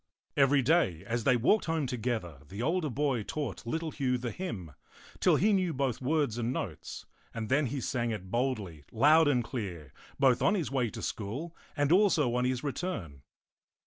Every day, as they walked home together, the older boy taught little Hugh the hymn, till he knew both words and notes ; and then he sang it boldly, loud and clear, both on his way to school and also on his re turn.